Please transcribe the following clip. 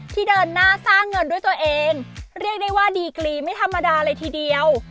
เดินหน้าสร้างเงินด้วยตัวเองเรียกได้ว่าดีกรีไม่ธรรมดาเลยทีเดียว